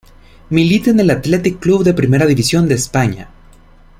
Milita en el Athletic Club de Primera División de España.